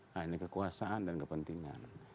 hanya kekuasaan dan kepentingan